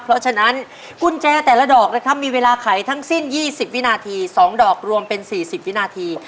เพราะฉะนั้นกุญแจแต่ละดอกนะครับมีเวลาไขทั้งสิ้น๒๐วินาที๒ดอกรวมเป็น๔๐วินาที